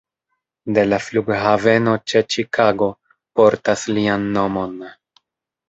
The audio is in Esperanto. De la flughaveno ĉe Ĉikago portas lian nomon.